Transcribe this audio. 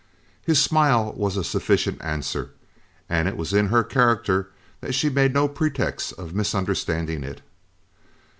His smile was a sufficient answer, and it was in her character that she made no pretext of misunderstanding it.